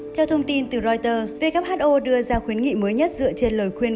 theo thông tin từ reuters who đưa ra khuyến nghị mới nhất dựa trên lời khuyên